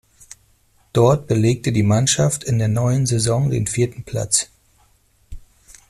Dort belegte die Mannschaft in der neuen Saison den vierten Platz.